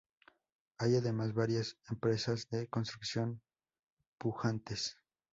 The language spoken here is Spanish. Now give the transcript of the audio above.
Hay además varias empresas de construcción pujantes.